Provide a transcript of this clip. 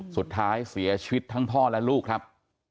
สุดท้ายเสียชีวิตทั้งพ่อและลูกครับ